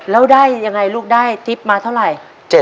แล้วได้ยังไงลูกได้ติ๊บมาเท่าไหร่